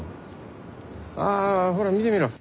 あほら見てみろ。